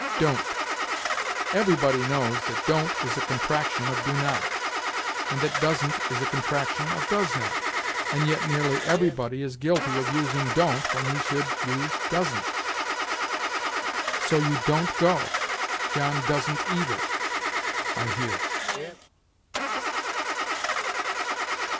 DON'T. Everybody knows that don't is a contraction of do not, and that doesn't is a contraction of does not; and yet nearly everybody is guilty of using don't when he should use doesn't. "So you don't go; John doesn't either, I hear."